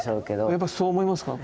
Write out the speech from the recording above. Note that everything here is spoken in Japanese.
やっぱそう思いますか？